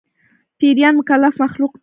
پيريان مکلف مخلوق دي